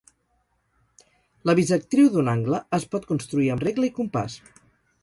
La bisectriu d'un angle es pot construir amb regle i compàs.